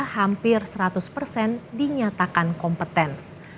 hampir seratus persen dinyatakan kompeten